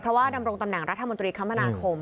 เพราะว่าดำรงตำแหน่งรัฐมนตรีคมนาคม